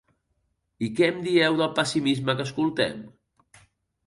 I què em dieu del pessimisme que escoltem?